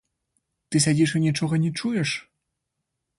Ты сядзіш і нічога не чуеш?